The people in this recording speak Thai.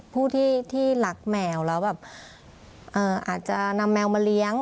ผู้ที่รักแมวแล้วแบบอาจจะนำแมวมาเลี้ยง